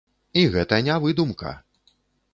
І гэта не выдумка.